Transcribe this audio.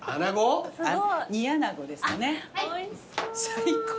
最高。